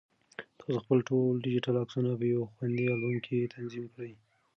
تاسو خپل ټول ډیجیټل عکسونه په یو خوندي البوم کې تنظیم کړئ.